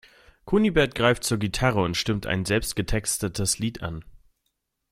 Kunibert greift zur Gitarre und stimmt ein selbst getextetes Lied an.